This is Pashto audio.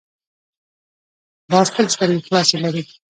باز تل سترګې خلاصې لري